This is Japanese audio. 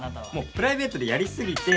プライベートでやりすぎて。